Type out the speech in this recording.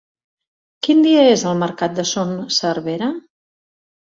Quin dia és el mercat de Son Servera?